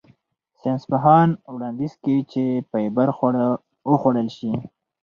ساینسپوهان وړاندیز کوي چې فایبر خواړه وخوړل شي.